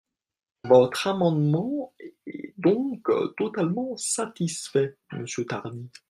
Votre amendement est donc totalement satisfait, monsieur Tardy.